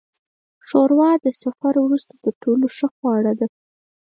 ښوروا د سفر وروسته تر ټولو ښه خواړه ده.